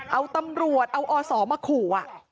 เอาตำรวจเอาอศมาขู่